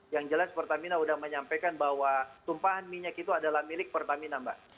yang jelas pertamina sudah menyampaikan bahwa tumpahan minyak itu adalah milik pertamina mbak